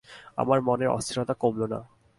আমার মনের অস্থিরতা কমল না।